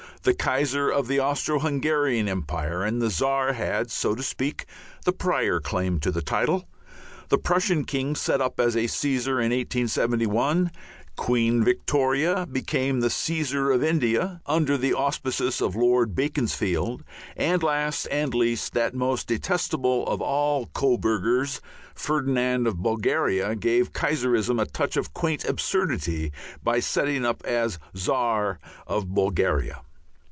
The Kaiser of the Austro Hungarian empire and the Czar had, so to speak, the prior claim to the title. The Prussian king set up as a Caesar in 1871; Queen Victoria became the Caesar of India (Kaisir i Hind) under the auspices of Lord Beaconsfield, and last and least, that most detestable of all Coburgers, Ferdinand of Bulgaria, gave Kaiserism a touch of quaint absurdity by setting up as Czar of Bulgaria.